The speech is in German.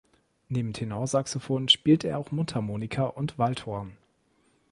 Neben Tenorsaxophon spielte er auch Mundharmonika und Waldhorn.